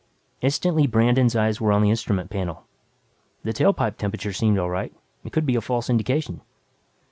Instantly Brandon's eyes were on the instrument panel. The tailpipe temperature seemed all right. It could be a false indication.